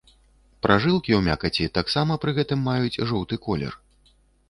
Пражылкі ў мякаці таксама пры гэтым маюць жоўты колер.